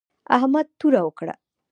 احمد توره وکړه